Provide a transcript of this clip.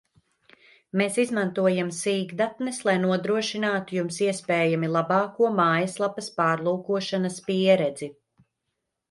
Mēs izmantojam sīkdatnes, lai nodrošinātu Jums iespējami labāko mājaslapas pārlūkošanas pieredzi